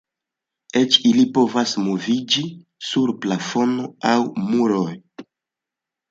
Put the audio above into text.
Eĉ ili povas moviĝi sur plafono aŭ muroj.